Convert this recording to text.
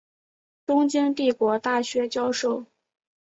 东京帝国大学教授。